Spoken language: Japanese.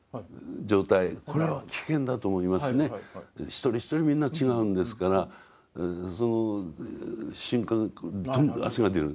一人一人みんな違うんですからその瞬間とにかく汗が出る。